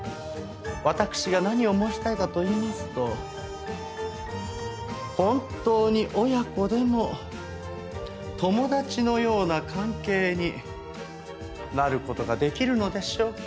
わたくしが何を申したいかといいますと本当に母娘でも友達のような関係になる事ができるのでしょうか？